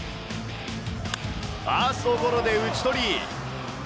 ファーストゴロで打ち取り。